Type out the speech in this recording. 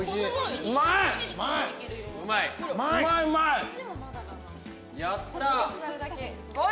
うまい？